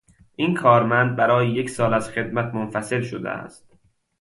این کارمند برای یکسال از خدمت منفصل شده است.